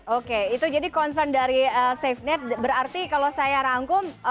oke itu jadi concern dari safenet berarti kalau saya rangkum